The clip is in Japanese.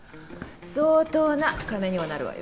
相当な金にはなるわよ